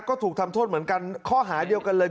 ก็ถูกทำโทษเหมือนกันข้อหาเดียวกันเลย